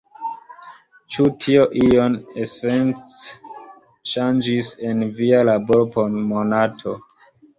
Ĉu tio ion esence ŝanĝis en via laboro por Monato?